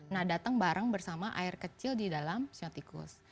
nah datang bareng bersama air kecil di dalam siotikus